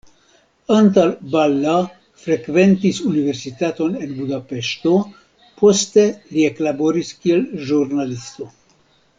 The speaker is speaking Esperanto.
Antal Balla frekventis universitaton en Budapeŝto, poste li eklaboris kiel ĵurnalisto.